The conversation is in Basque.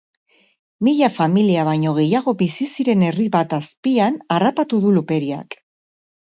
Mila familia baino gehiago bizi ziren herri bat azpian harrapatu du luperiak.